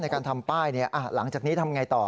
ในการทำป้ายเนี่ยหลังจากนี้ทำยังไงต่อ